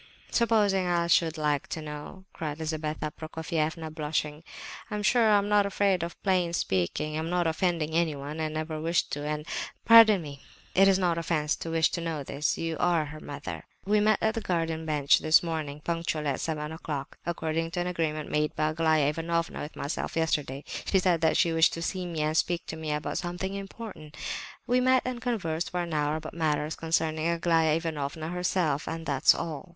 Supposing I should like to know?" cried Lizabetha Prokofievna, blushing. "I'm sure I am not afraid of plain speaking. I'm not offending anyone, and I never wish to, and—" "Pardon me, it is no offence to wish to know this; you are her mother. We met at the green bench this morning, punctually at seven o'clock,—according to an agreement made by Aglaya Ivanovna with myself yesterday. She said that she wished to see me and speak to me about something important. We met and conversed for an hour about matters concerning Aglaya Ivanovna herself, and that's all."